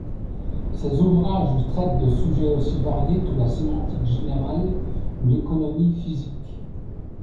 Ses ouvrages traitent de sujets aussi variés que la sémantique générale ou l'économie physique.